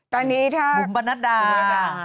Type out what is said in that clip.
ตอนนี้ถ้าบุมบันดา